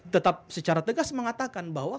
tetap secara tegas mengatakan bahwa